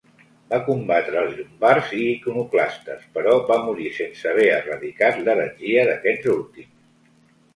Va combatre els llombards i iconoclastes però va morir sense haver erradicat l'heretgia d'aquests últims.